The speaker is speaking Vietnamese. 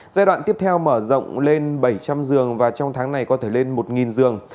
giai đoạn tiếp theo mở rộng lên bảy trăm linh giường và trong tháng này có thể lên một giường